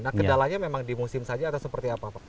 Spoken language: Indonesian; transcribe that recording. nah kendalanya memang di musim saja atau seperti apa pak